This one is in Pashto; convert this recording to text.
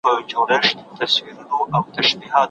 کمزوري خلک هيڅکله د خطر منلو ته نه دي چمتو.